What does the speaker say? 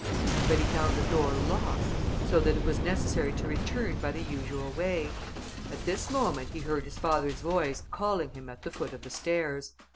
But he found the door locked, so that it was necessary to return by the usual way. At this moment, he heard his father's voice, calling him at the foot of the stairs.